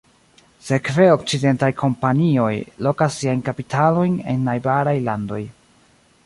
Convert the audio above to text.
Sekve, okcidentaj kompanioj lokas siajn kapitalojn en najbaraj landoj.